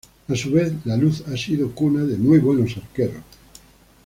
A su vez, La Luz ha sido cuna de muy buenos arqueros.